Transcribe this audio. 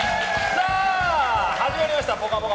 さあ、始まりました「ぽかぽか」